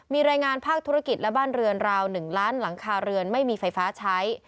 มีรายงานภาคธุรกิจและบ้านเรือนราว๑ล้านหลังคาเรือนไม่มีไฟฟ้าใช้